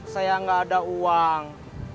saya gak ada uang